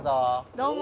どうも。